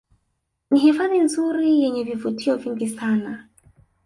Ni hifadhi nzuri yenye vivutio vingi sana